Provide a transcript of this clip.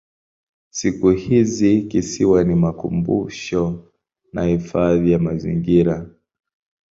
Siku hizi kisiwa ni makumbusho na hifadhi ya mazingira.